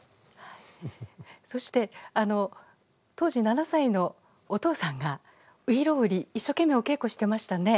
そして当時７歳のお父さんが「外郎売」一生懸命お稽古してましたね。